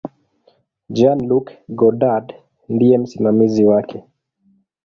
Jean-Luc Godard ndiye msimamizi wake.